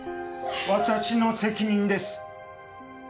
私の責任です。